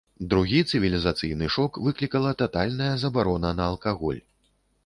Другі цывілізацыйны шок выклікала татальная забарона на алкаголь.